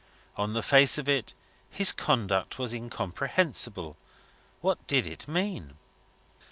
On the face of it, his conduct was incomprehensible. What did it mean?